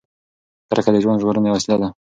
کرکه د ژوند ژغورنې وسیله ده.